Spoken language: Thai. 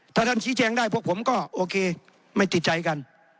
ถ้าท่านชี้แจงได้พวกผมก็โอเคไม่ติดใจกัน